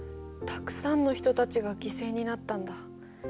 たくさんの人たちが犠牲になったんだ。